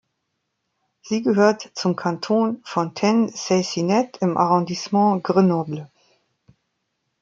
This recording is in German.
Sie gehört zum Kanton Fontaine-Seyssinet im Arrondissement Grenoble.